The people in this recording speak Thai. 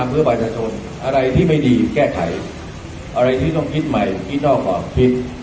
อะไรที่ไม่ดีแก้ไขอะไรที่ต้องคิดใหม่คิดต่อของ